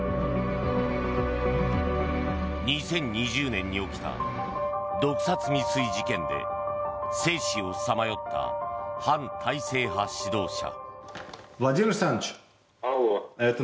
２０２０年に起きた毒殺未遂事件で生死をさまよった反体制派指導者。